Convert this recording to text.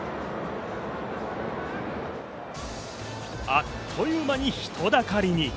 あっという間に人だかりに。